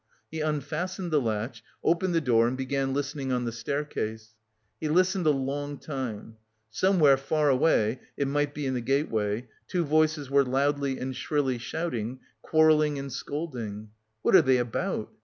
He unfastened the latch, opened the door and began listening on the staircase. He listened a long time. Somewhere far away, it might be in the gateway, two voices were loudly and shrilly shouting, quarrelling and scolding. "What are they about?"